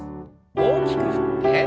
大きく振って。